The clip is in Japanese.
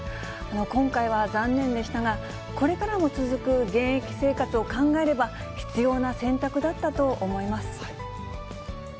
今回は残念でしたが、これからも続く現役生活を考えれば、必要な選択だったと思います。